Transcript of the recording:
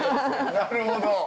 なるほど。